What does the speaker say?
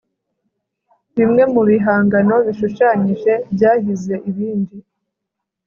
bimwe mu bihangano bishushanyije byahize ibindi